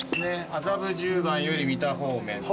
麻布十番より三田方面。